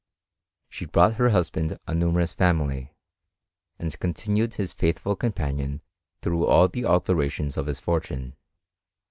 She brought her husband a numerous family, and continued his faithful companion through all the altera tions of his fortune.